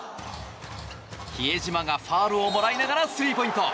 比江島がファウルをもらいながらスリーポイント。